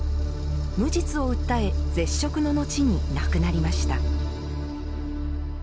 無実を訴え、絶食ののちに亡くなりました。